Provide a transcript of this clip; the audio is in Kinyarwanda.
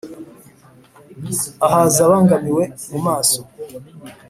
Ahaza abangamiwe mu maso,